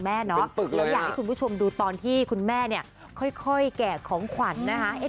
เพราะคุณแม่อยากให้คุณผู้ชมดูตอนที่คุณแม่ค่อยแกะของขวัญนะคะ